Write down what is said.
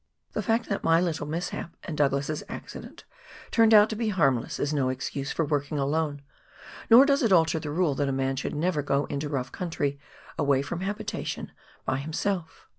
The fact that my little mishap, and Douglas's accident, turned out to be harmless, is no excuse for working alone, nor does it alter the rule that a man should never go into rough country, away from habitation, by himself.